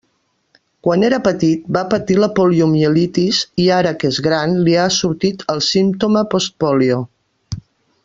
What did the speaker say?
Quan era petit va patir la poliomielitis, i ara que és gran li ha sortit el símptoma 'post-pòlio'.